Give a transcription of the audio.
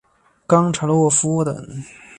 冈察洛夫等。